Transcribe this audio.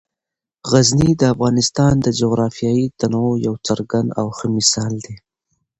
غزني د افغانستان د جغرافیوي تنوع یو څرګند او ښه مثال دی.